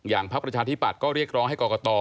อย่างพระประชาธิบัตรก็เรียกร้องให้กต